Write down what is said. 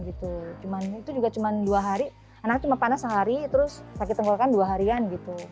itu juga cuma dua hari anak cuma panas sehari terus sakit tenggolkan dua harian gitu